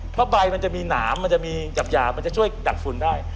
เพราะใบมันจะมีหนามมันจะมีหยาบมันจะช่วยกัดฝุ่นได้